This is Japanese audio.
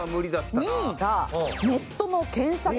２位がネットの検索履歴。